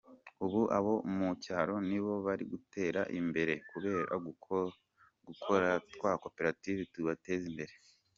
Ubu abo mu cyaro nibo bari gutera imbere kubera gukora twa cooperative tubateza imbere.